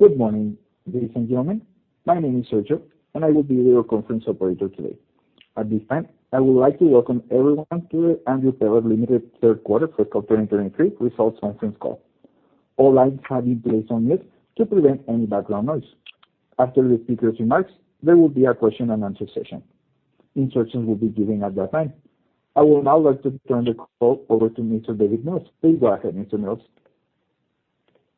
Good morning, ladies and gentlemen. My name is Sergio. I will be your conference operator today. At this time, I would like to welcome everyone to the Andrew Peller Limited Q3 Fiscal 2023 results conference call. All lines have been placed on mute to prevent any background noise. After the speaker's remarks, there will be a question-and-answer session. Instructions will be given at that time. I would now like to turn the call over to Mr. David Mills. Please go ahead, Mr. Mills.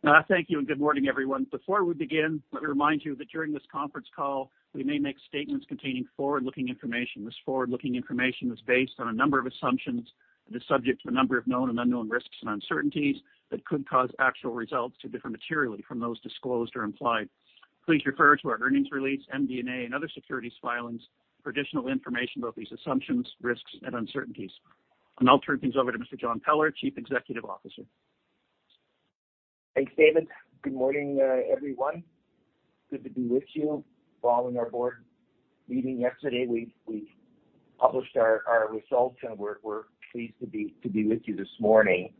Thank you, good morning, everyone. Before we begin, let me remind you that during this conference call, we may make statements containing forward-looking information. This forward-looking information is based on a number of assumptions and is subject to a number of known and unknown risks and uncertainties that could cause actual results to differ materially from those disclosed or implied. Please refer to our earnings release, MD&A, and other securities filings for additional information about these assumptions, risks, and uncertainties. I'll turn things over to Mr. John Peller, Chief Executive Officer. Thanks, David. Good morning, everyone. Good to be with you. Following our board meeting yesterday, we published our results, and we're pleased to be with you this morning.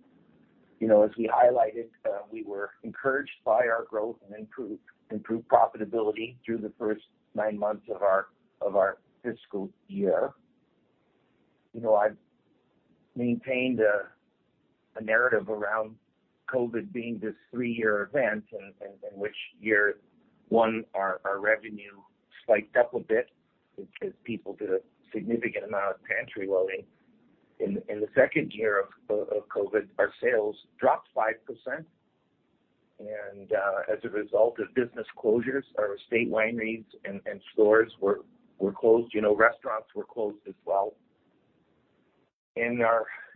You know, as we highlighted, we were encouraged by our growth and improved profitability through the first nine months of our fiscal year. You know, I've maintained a narrative around COVID being this three-year event in which year one our revenue spiked up a bit because people did a significant amount of pantry loading. In the second year of COVID, our sales dropped 5%. As a result of business closures, our estate wineries and stores were closed. You know, restaurants were closed as well.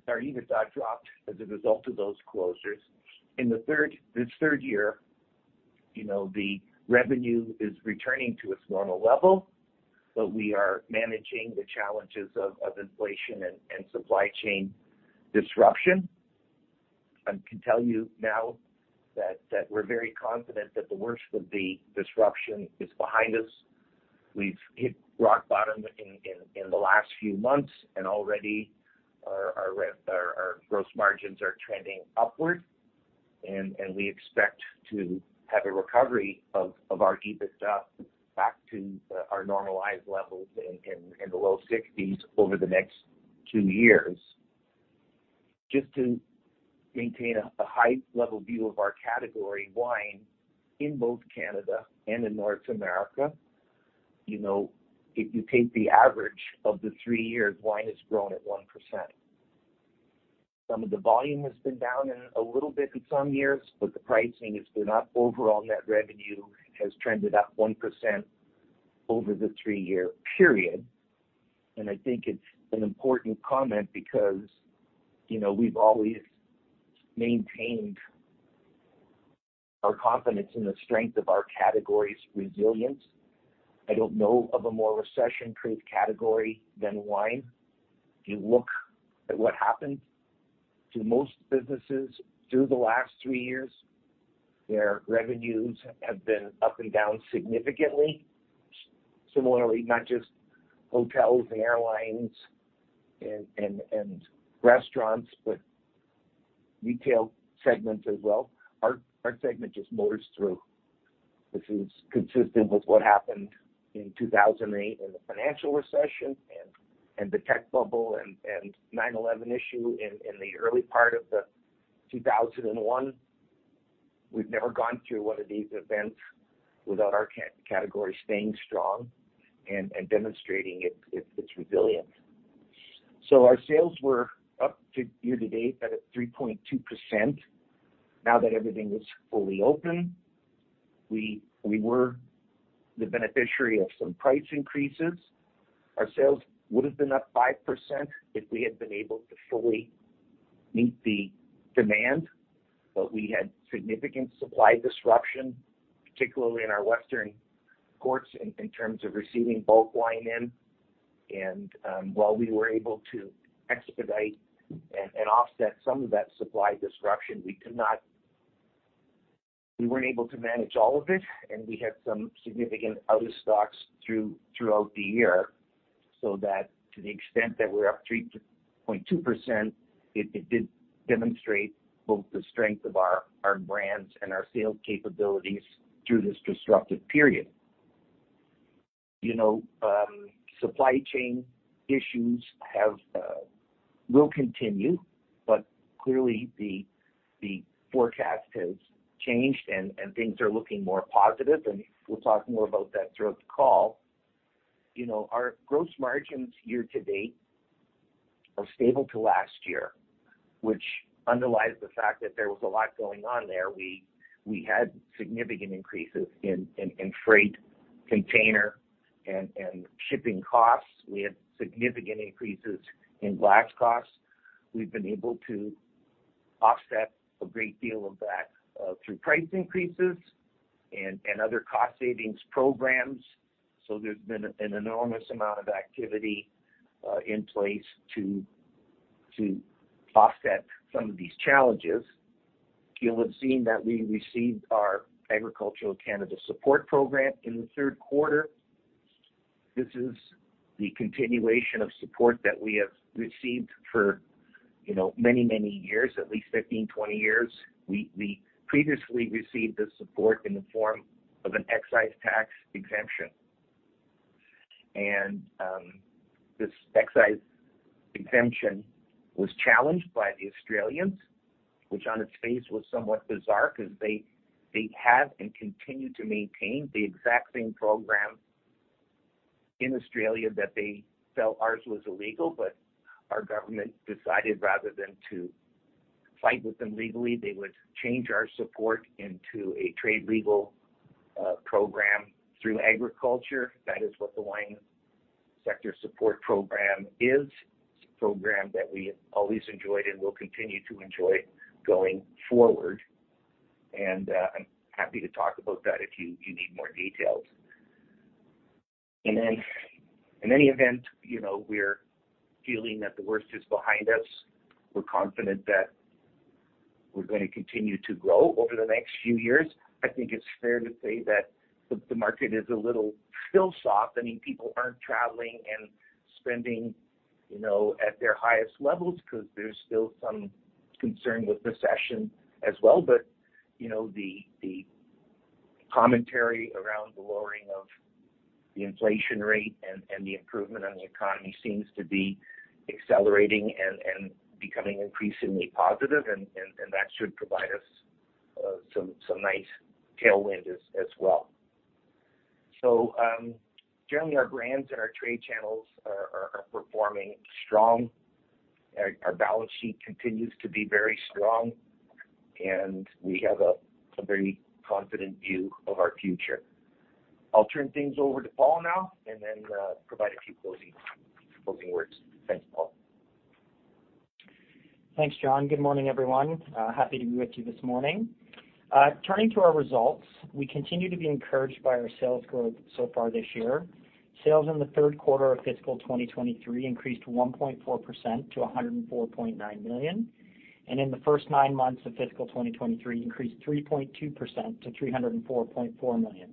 Our EBITDA dropped as a result of those closures. This third year, you know, the revenue is returning to its normal level, we are managing the challenges of inflation and supply chain disruption. I can tell you now that we're very confident that the worst of the disruption is behind us. We've hit rock bottom in the last few months, already our gross margins are trending upward. We expect to have a recovery of our EBITDA back to our normalized levels in the low 60s over the next two years. Just to maintain a high-level view of our category wine in both Canada and in North America, you know, if you take the average of the three years, wine has grown at 1%. Some of the volume has been down in a little bit in some years, but the pricing has been up. Overall net revenue has trended up 1% over the three-year period. I think it's an important comment because, you know, we've always maintained our confidence in the strength of our category's resilience. I don't know of a more recession-proof category than wine. If you look at what happened to most businesses through the last three years, their revenues have been up and down significantly. Similarly, not just hotels and airlines and restaurants, but retail segments as well. Our segment just motors through, which is consistent with what happened in 2008 in the financial recession and the tech bubble and 9/11 issue in the early part of 2001. We've never gone through one of these events without our category staying strong and demonstrating its resilience. Our sales were up to year-to-date at a 3.2% now that everything is fully open. We were the beneficiary of some price increases. Our sales would've been up 5% if we had been able to fully meet the demand. We had significant supply disruption, particularly in our western ports in terms of receiving bulk wine in. While we were able to expedite and offset some of that supply disruption, we weren't able to manage all of it, and we had some significant out-of-stocks throughout the year. That to the extent that we're up 3.2% it did demonstrate both the strength of our brands and our sales capabilities through this disruptive period. You know, supply chain issues have will continue, clearly the forecast has changed and things are looking more positive, and we'll talk more about that throughout the call. You know, our gross margins year-to-date are stable to last year, which underlies the fact that there was a lot going on there. We had significant increases in freight, container, and shipping costs. We had significant increases in glass costs. We've been able to offset a great deal of that through price increases and other cost savings programs. There's been an enormous amount of activity in place to offset some of these challenges. You'll have seen that we received our Wine Sector Support Program in the Q3. This is the continuation of support that we have received for, you know, many years, at least 15, 20 years. We previously received the support in the form of an excise tax exemption. This excise exemption was challenged by the Australians, which on its face was somewhat bizarre because they have and continue to maintain the exact same program in Australia that they felt ours was illegal. Our government decided rather than to fight with them legally, they would change our support into a trade legal program through agriculture. That is what the Wine Sector Support Program is. It's a program that we have always enjoyed and will continue to enjoy going forward. I'm happy to talk about that if you need more details. In any event, you know, we're feeling that the worst is behind us. We're confident that we're gonna continue to grow over the next few years. I think it's fair to say that the market is a little still soft. I mean, people aren't traveling and spending, you know, at their highest levels because there's still some concern with recession as well. You know, the commentary around the lowering of the inflation rate and the improvement in the economy seems to be accelerating and becoming increasingly positive, and that should provide us some nice tailwind as well. Generally our brands and our trade channels are performing strong. Our balance sheet continues to be very strong, and we have a very confident view of our future. I'll turn things over to Paul now and then provide a few closing words. Thanks, Paul. Thanks, John. Good morning, everyone. Happy to be with you this morning. Turning to our results, we continue to be encouraged by our sales growth so far this year. Sales in the Q3 of fiscal 2023 increased 1.4% to 104.9 million, and in the first nine months of fiscal 2023 increased 3.2% to 304.4 million.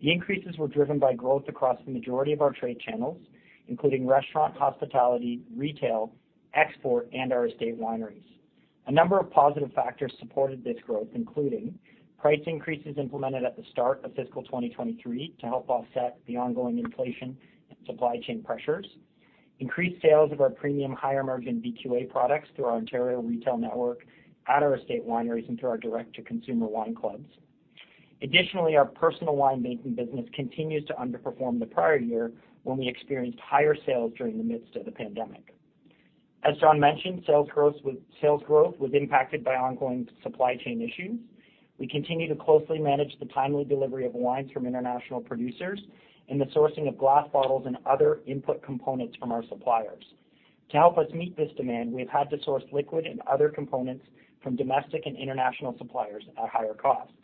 The increases were driven by growth across the majority of our trade channels, including restaurant, hospitality, retail, export, and our estate wineries. A number of positive factors supported this growth, including price increases implemented at the start of fiscal 2023 to help offset the ongoing inflation and supply chain pressures, increased sales of our premium higher-margin VQA products through our Ontario retail network at our estate wineries and through our direct-to-consumer wine clubs. Additionally, our personal winemaking business continues to underperform the prior year when we experienced higher sales during the midst of the pandemic. As John mentioned, sales growth was impacted by ongoing supply chain issues. We continue to closely manage the timely delivery of wines from international producers and the sourcing of glass bottles and other input components from our suppliers. To help us meet this demand, we have had to source liquid and other components from domestic and international suppliers at higher costs.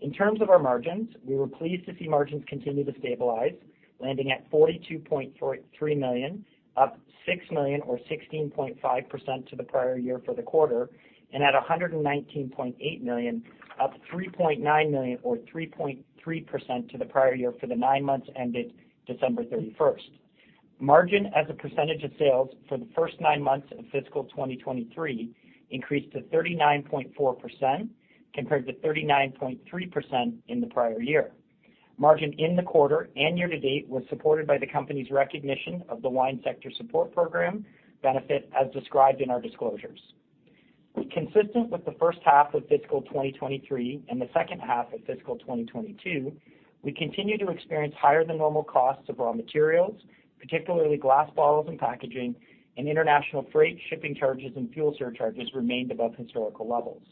In terms of our margins, we were pleased to see margins continue to stabilize, landing at 42.3 million, up 6 million or 16.5% to the prior year for the quarter, and at 119.8 million, up 3.9 million or 3.3% to the prior year for the nine months ended December 31st. Margin as a percentage of sales for the first nine months of fiscal 2023 increased to 39.4% compared to 39.3% in the prior year. Margin in the quarter and year to date was supported by the company's recognition of the Wine Sector Support Program benefit as described in our disclosures. Consistent with the first half of fiscal 2023 and the second half of fiscal 2022, we continue to experience higher than normal costs of raw materials, particularly glass bottles and packaging, and international freight shipping charges and fuel surcharges remained above historical levels.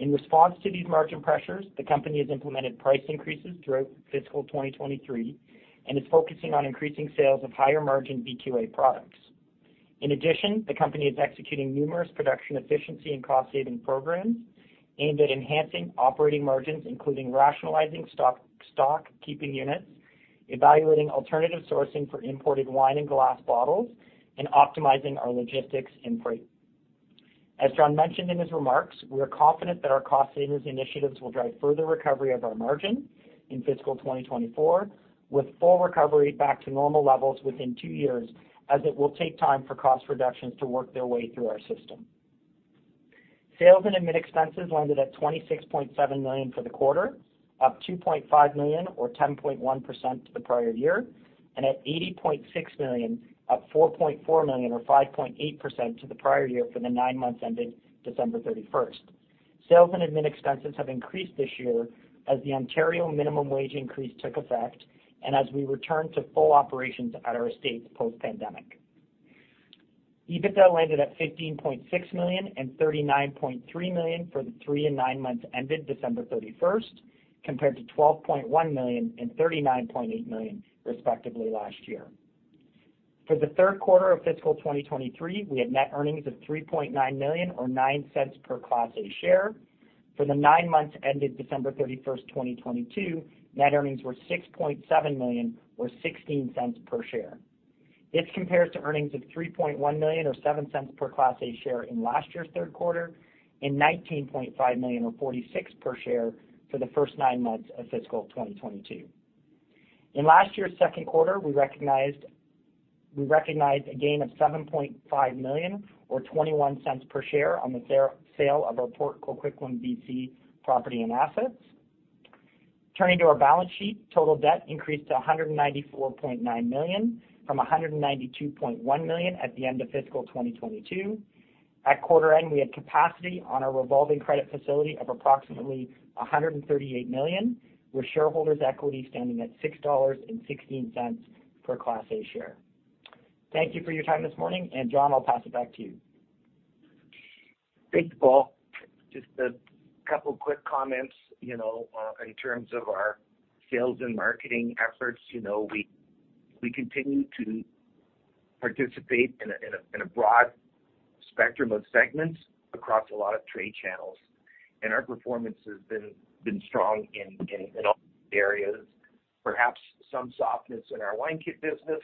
In response to these margin pressures, the company has implemented price increases throughout fiscal 2023 and is focusing on increasing sales of higher-margin VQA products. In addition, the company is executing numerous production efficiency and cost-saving programs aimed at enhancing operating margins, including rationalizing stock keeping units, evaluating alternative sourcing for imported wine and glass bottles, and optimizing our logistics and freight. As John mentioned in his remarks, we're confident that our cost savings initiatives will drive further recovery of our margin in fiscal 2024, with full recovery back to normal levels within two years, as it will take time for cost reductions to work their way through our system. Sales and admin expenses landed at 26.7 million for the quarter, up 2.5 million or 10.1% to the prior year, and at 80.6 million, up 4.4 million or 5.8% to the prior year for the nine months ending December 31st. Sales and admin expenses have increased this year as the Ontario minimum wage increase took effect and as we return to full operations at our estates post-pandemic. EBITDA landed at 15.6 million and 39.3 million for the three and nine months ended December 31st, compared to 12.1 million and 39.8 million, respectively, last year. For the Q3 of fiscal 2023, we had net earnings of 3.9 million or 0.09 per Class A share. For the nine months ended December 31st, 2022, net earnings were CAD 6.7 million or 0.16 per share. This compares to earnings of 3.1 million or 0.07 per Class A share in last year's Q3 and 19.5 million or 0.46 per share for the first nine months of fiscal 2022. In last year's Q2, we recognized a gain of 7.5 million or 0.21 per share on the sale of our Port Coquitlam, BC, property and assets. Turning to our balance sheet, total debt increased to 194.9 million from 192.1 million at the end of fiscal 2022. At quarter end, we had capacity on our revolving credit facility of approximately 138 million, with shareholders' equity standing at 6.16 dollars per Class A share. Thank you for your time this morning. John, I'll pass it back to you. Thanks, Paul. Just a couple quick comments. You know, in terms of our sales and marketing efforts, you know, we continue to participate in a broad spectrum of segments across a lot of trade channels, and our performance has been strong in all areas. Perhaps some softness in our wine kit business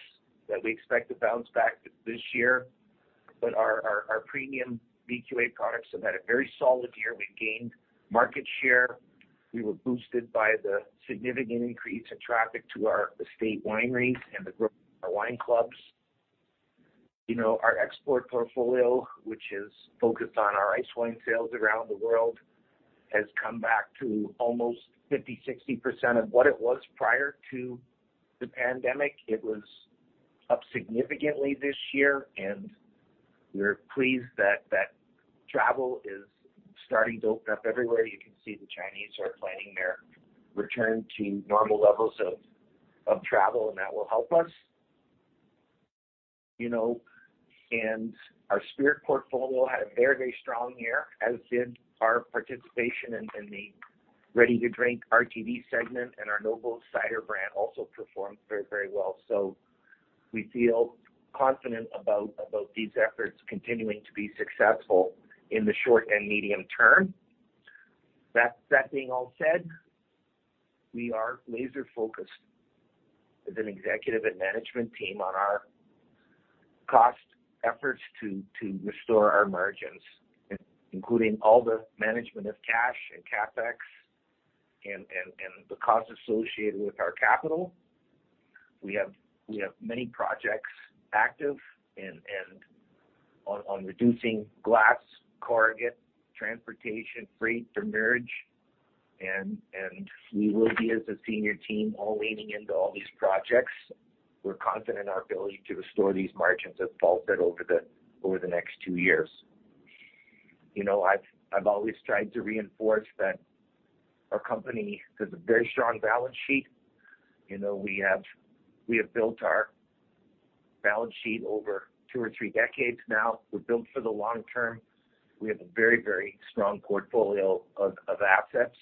that we expect to bounce back this year. Our premium VQA products have had a very solid year. We gained market share. We were boosted by the significant increase in traffic to our estate wineries and the growth of our wine clubs. You know, our export portfolio, which is focused on our ice wine sales around the world, has come back to almost 50%, 60% of what it was prior to the pandemic. It was up significantly this year. We're pleased that travel is starting to open up everywhere. You can see the Chinese are planning their return to normal levels of travel. That will help us. You know, our spirit portfolio had a very, very strong year, as did our participation in the ready-to-drink, RTD segment, and our Noble Cider brand also performed very, very well. We feel confident about these efforts continuing to be successful in the short and medium term. That being all said, we are laser-focused as an executive and management team on our cost efforts to restore our margins, including all the management of cash and CapEx and the costs associated with our capital. We have many projects active on reducing glass, corrugate, transportation, freight, and marriage, and we will be, as a senior team, all leaning into all these projects. We're confident in our ability to restore these margins as Paul said over the next two years. You know, I've always tried to reinforce that our company has a very strong balance sheet. You know, we have built our balance sheet over two or three decades now. We're built for the long term. We have a very strong portfolio of assets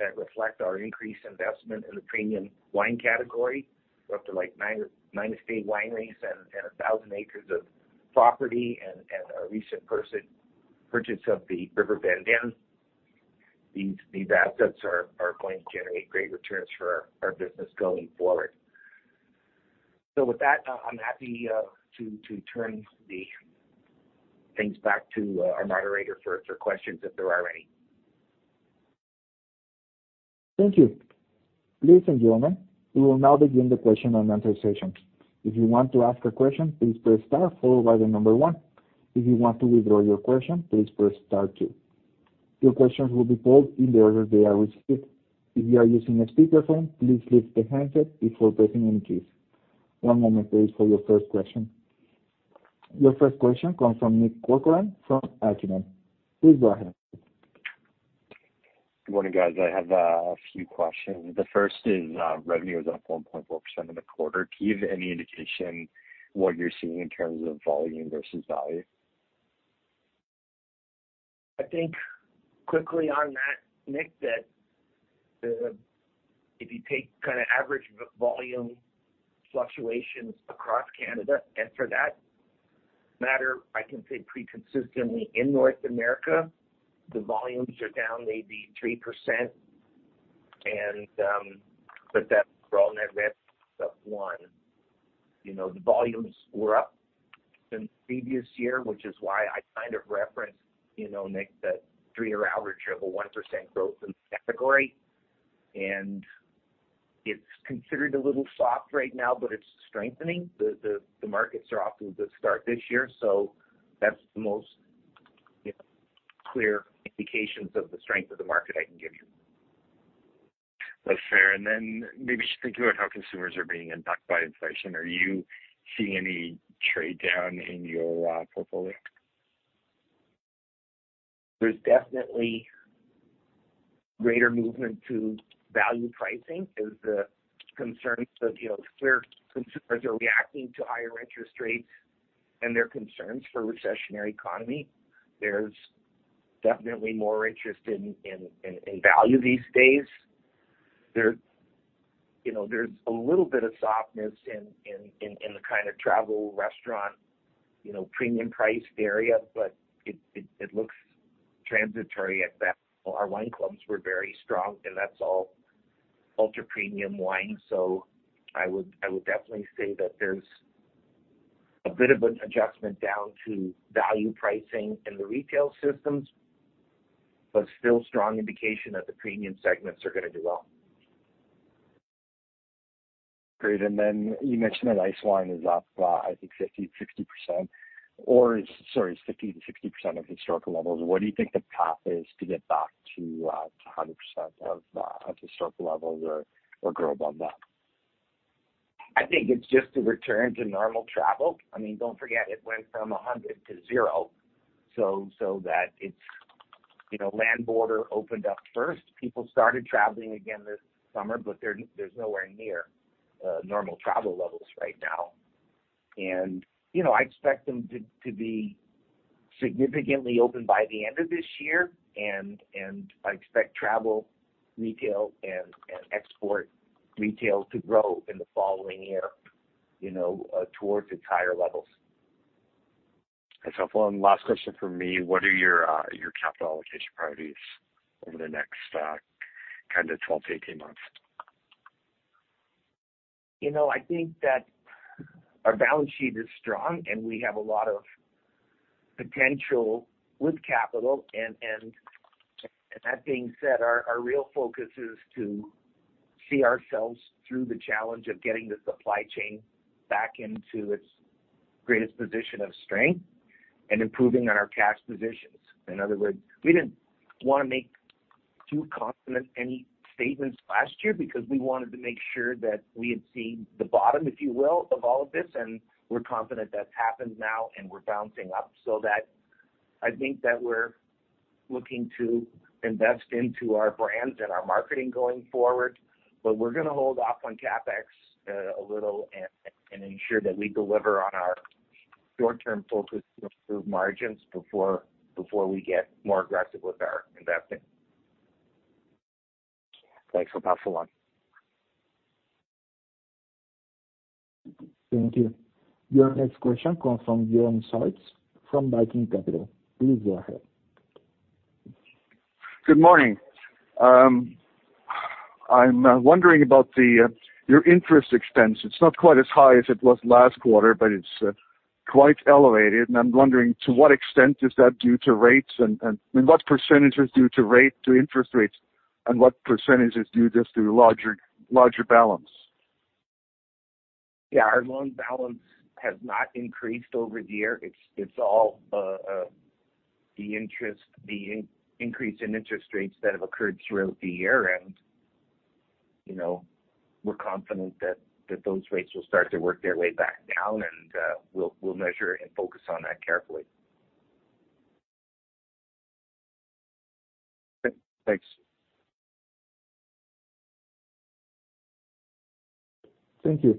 that reflect our increased investment in the premium wine category. We're up to like nine state wineries and 1,000 acres of property and a recent purchase of the Riverbend Inn. These assets are going to generate great returns for our business going forward. With that, I'm happy to turn the things back to our moderator for questions if there are any. Thank you. Ladies and gentlemen, we will now begin the question and answer session. If you want to ask a question, please press star followed by the number one. If you want to withdraw your question, please press star two. Your questions will be posed in the order they are received. If you are using a speakerphone, please lift the handset before pressing any keys. One moment please for your first question. Your first question comes from Nick Corcoran from Acumen. Please go ahead. Good morning, guys. I have a few questions. The first is, revenue is up 1.4% in the quarter. Can you give any indication what you're seeing in terms of volume versus value? I think quickly on that, Nick, that if you take kind of average volume fluctuations across Canada, and for that matter, I can say pretty consistently in North America, the volumes are down maybe 3%. That's for all net stuff. One, you know, the volumes were up than previous year, which is why I kind of referenced, you know, Nick, that three-year average of a 1% growth in the category. It's considered a little soft right now, but it's strengthening. The markets are off to a good start this year, so that's the most, you know, clear indications of the strength of the market I can give you. That's fair. Maybe just thinking about how consumers are being impacted by inflation, are you seeing any trade down in your portfolio? There's definitely greater movement to value pricing. There's a concern that, you know, clear consumers are reacting to higher interest rates and their concerns for recessionary economy. There's definitely more interest in value these days. You know, there's a little bit of softness in the kind of travel restaurant, you know, premium priced area. It looks transitory at best. Our wine clubs were very strong, and that's all ultra-premium wine. I would definitely say that there's a bit of an adjustment down to value pricing in the retail systems, but still strong indication that the premium segments are going to do well. Great. You mentioned that ice wine is up, I think 50%-60% of historical levels. What do you think the path is to get back to 100% of historical levels or grow above that? I think it's just a return to normal travel. I mean, don't forget it went from 100% to 0%. So that it's, you know, land border opened up first. People started traveling again this summer, but there's nowhere near normal travel levels right now. You know, I expect them to be significantly open by the end of this year and I expect travel retail and export retail to grow in the following year, you know, towards its higher levels. One last question from me. What are your capital allocation priorities over the next, kinda 12 to 18 months? You know, I think that our balance sheet is strong, and we have a lot of potential with capital. That being said, our real focus is to see ourselves through the challenge of getting the supply chain back into its greatest position of strength and improving on our cash positions. In other words, we didn't wanna make too confident any statements last year because we wanted to make sure that we had seen the bottom, if you will, of all of this, and we're confident that's happened now and we're bouncing up. That I think that we're looking to invest into our brands and our marketing going forward, but we're gonna hold off on CapEx a little and ensure that we deliver on our short-term focus to improve margins before we get more aggressive with our investing. Thanks. We'll pass along. Thank you. Your next question comes from John Sartz from Viking Capital. Please go ahead. Good morning. I'm wondering about your interest expense. It's not quite as high as it was last quarter, but it's quite elevated, and I'm wondering to what extent is that due to rates and what percentage due to interest rates and what percentage due just to larger balance? Yeah, our loan balance has not increased over the year. It's all the increase in interest rates that have occurred throughout the year. You know, we're confident that those rates will start to work their way back down and we'll measure and focus on that carefully. Okay, thanks. Thank you.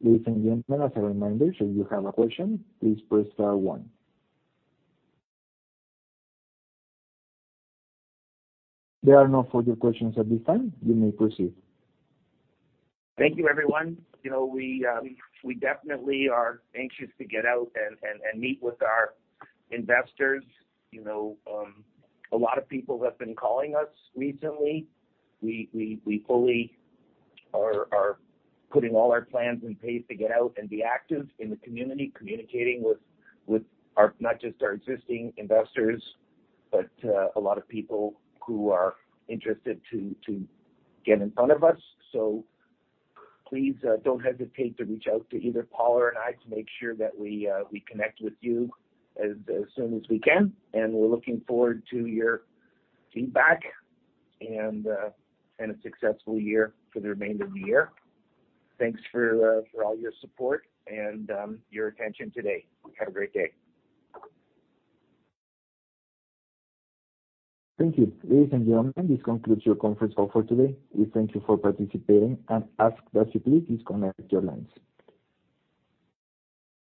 Ladies and gentlemen, as a reminder, should you have a question, please press star one. There are no further questions at this time. You may proceed. Thank you everyone. You know, we definitely are anxious to get out and meet with our investors. You know, a lot of people have been calling us recently. We fully are putting all our plans in place to get out and be active in the community, communicating with our... not just our existing investors, but a lot of people who are interested to get in front of us. Please, don't hesitate to reach out to either Paul or I to make sure that we connect with you as soon as we can. We're looking forward to your feedback and a successful year for the remainder of the year. Thanks for all your support and your attention today. Have a great day. Thank you. Ladies and gentlemen, this concludes your conference call for today. We thank you for participating and ask that you please disconnect your lines.